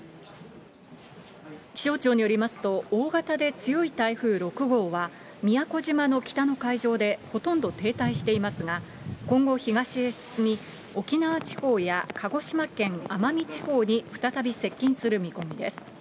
気象庁によりますと、大型で強い台風６号は、宮古島の北の海上で、ほとんど停滞していますが、今後、東へ進み、沖縄地方や鹿児島県奄美地方に再び接近する見込みです。